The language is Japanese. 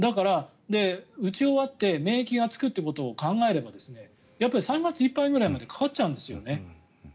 打ち終わって免疫がつくということを考えればやっぱり３月いっぱいくらいまでかかっちゃうんですよね。